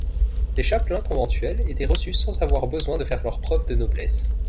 Les chapelains conventuels étaient reçus sans avoir besoin de faire leurs preuves de noblesse.